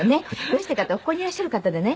どうしてかってここにいらっしゃる方でね